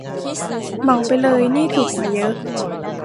เหมาไปเลยนี่ถูกกว่าเยอะ